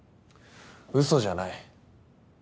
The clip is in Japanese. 嘘じゃない。